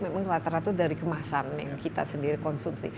memang teratur dari kemasan yang kita sendiri konsumsi